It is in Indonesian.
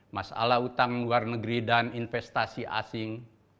masalah utang luar negeri dan investasi asing